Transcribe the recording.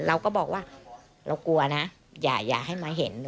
เราก็บอกว่าเรากลัวนะอย่าให้มาเห็น